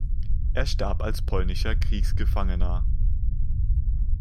Er starb als polnischer Kriegsgefangener.